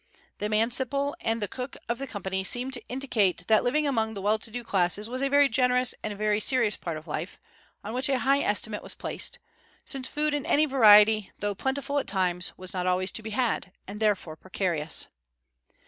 The manciple and the cook of the company seem to indicate that living among the well to do classes was a very generous and a very serious part of life, on which a high estimate was placed, since food in any variety, though plentiful at times, was not always to be had, and therefore precarious.